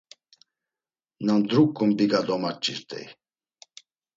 Na ndruǩun biga domaç̌irt̆ey.